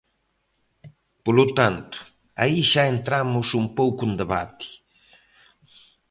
Polo tanto, aí xa entramos un pouco en debate.